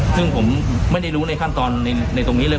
ซึ่งผมไม่ได้รู้ในขั้นตอนในตรงนี้เลย